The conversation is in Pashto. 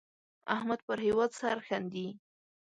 احمد پر هېواد سرښندي.